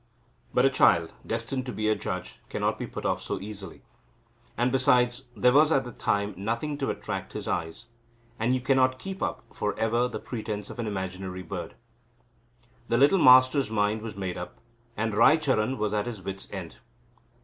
But a child, destined to be a judge, cannot be put off so easily. And besides, there was at the time nothing to attract his eyes. And you cannot keep up for ever the pretence of an imaginary bird. The little Master's mind was made up, and Raicharan was at his wits' end.